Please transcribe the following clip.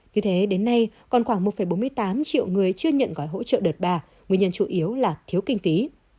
như thế đến nay còn khoảng một bốn mươi tám triệu người chưa nhận gói hỗ trợ đợt ba nguyên nhân chủ yếu là thiếu kinh phí